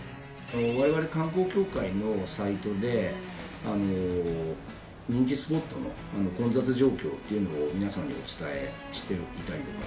われわれ観光協会のサイトで人気スポットの混雑状況っていうのを皆さんにお伝えしていたりとか。